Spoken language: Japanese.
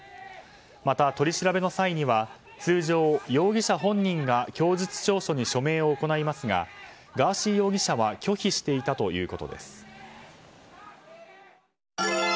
また、取り調べの際には通常、容疑者本人が供述調書に署名を行いますがガーシー容疑者は拒否していたということです。